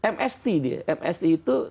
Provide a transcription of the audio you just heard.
mst dia mst itu